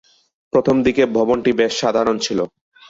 প্রথমদিকে ভবনটি বেশ সাধারণ ছিল।